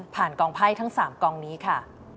ผ่านกล่องไพ่ทั้ง๓กล่องนี้ค่ะ